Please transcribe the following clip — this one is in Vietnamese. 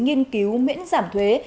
nghiên cứu miễn giảm thuế